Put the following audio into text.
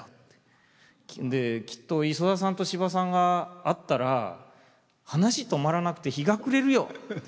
で「きっと磯田さんと司馬さんが会ったら話止まらなくて日が暮れるよ」って。